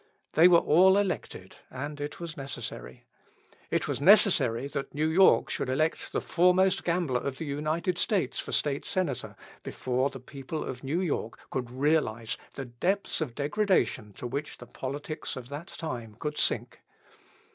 They were all elected, and it was necessary. It was necessary that New York should elect the foremost gambler of the United States for State Senator, before the people of New York could realise the depths of degradation to which the politics of that time could sink.